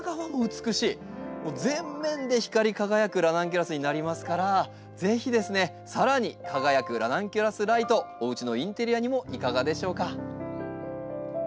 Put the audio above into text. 全面で光り輝くラナンキュラスになりますからぜひですねさらに輝くラナンキュラスライトおうちのインテリアにもいかがでしょうか。